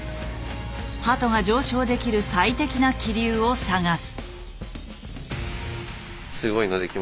鳩が上昇できる最適な気流を探す。